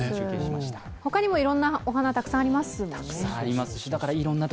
ほかにもいろいろなお花、たくさんありますもんね。